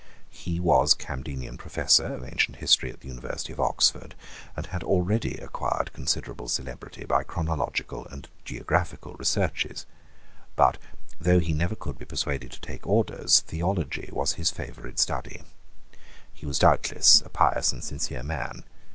He was Camdenian Professor of Ancient History in the University of Oxford, and had already acquired considerable celebrity by chronological and geographical researches: but, though he never could be persuaded to take orders, theology was his favourite study. He was doubtless a pious and sincere man.